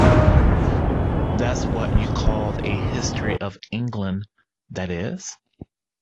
That’s what you call a History of England, that is.